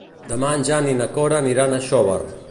Demà en Jan i na Cora aniran a Xóvar.